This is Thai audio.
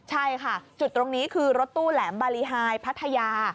ใช่ค่ะจุดตรงนี้คือรถตู้แหลมบารีไฮพัทยา